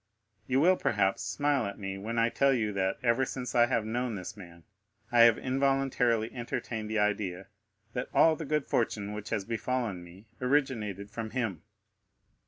You will perhaps smile at me when I tell you that, ever since I have known this man, I have involuntarily entertained the idea that all the good fortune which has befallen me originated from him.